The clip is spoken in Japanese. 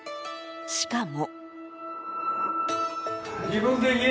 しかも。